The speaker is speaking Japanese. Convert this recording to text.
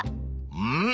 うん！